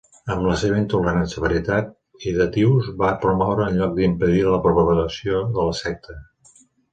Amb la seva intolerant severitat, Hydatius va promoure en lloc d'impedir la propagació de la secta.